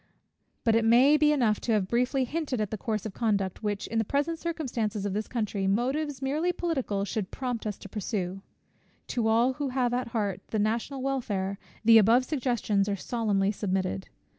But it may be enough to have briefly hinted at the course of conduct, which, in the present circumstances of this country, motives merely political should prompt us to pursue. To all who have at heart the national welfare, the above suggestions are solemnly submitted.